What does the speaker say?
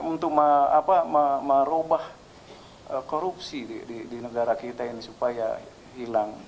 untuk merubah korupsi di negara kita ini supaya hilang